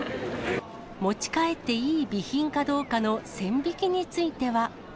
持ち帰っていい備品かどうかの線引きについては。